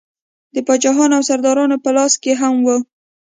د پاچاهانو او سردارانو په لاس کې هم وه.